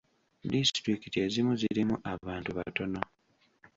Disitulikiti ezimu zirimu abantu batono.